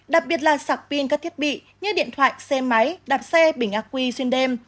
đặc biệt là sạc pin các thiết bị như điện thoại xe máy đạp xe bình aqua xuyên đêm